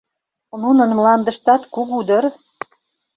Нунын мландыштат кугу дыр?